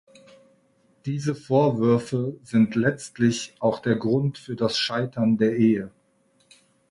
Diese Vorwürfe sind letztlich auch der Grund für das Scheitern der Ehe.